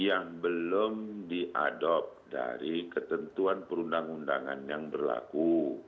yang belum diadopt dari ketentuan perundang undangan yang berlaku